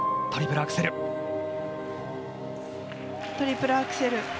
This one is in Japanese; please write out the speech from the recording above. トリプルアクセル。